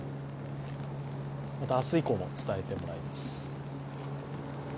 また明日以降も伝えてもらいます。